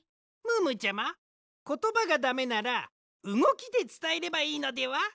ムームーちゃまことばがだめならうごきでつたえればいいのでは？